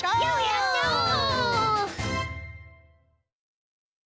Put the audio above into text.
やっちゃおう！